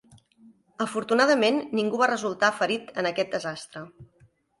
Afortunadament, ningú va resultar ferit en aquest desastre.